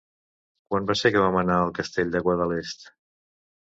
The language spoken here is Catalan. Quan va ser que vam anar al Castell de Guadalest?